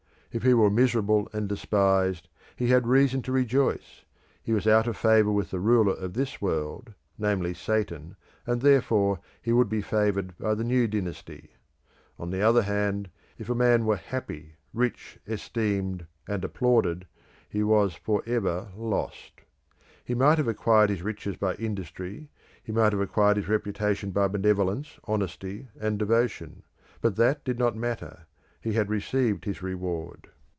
If he were miserable and despised, he had reason to rejoice; he was out of favour with the ruler of this world, namely Satan, and therefore he would be favoured by the new dynasty. On the other hand, if a man were happy, rich, esteemed, and applauded, he was for ever lost. He might have acquired his riches by industry; he might have acquired his reputation by benevolence, honesty, and devotion; but that did not matter; he had received his reward.